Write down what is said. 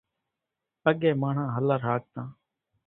اڳيَ ماڻۿان هلر هاڪتان۔